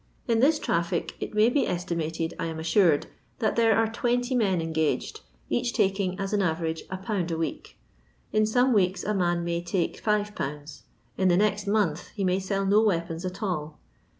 In this traffic it may be estimated, I am assured, that there are 20 men engaged, each taking, as an average, 1/. a week. In some weeks a man may take 5^ ; in the next month he may sell no weapons at all.